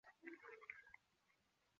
其作词家的身份获得极高的评价。